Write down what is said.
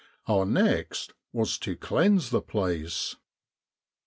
Our next was to cleanse the place.